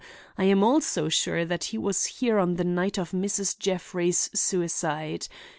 I am also sure that he was here on the night of Mrs. Jeffrey's suicide.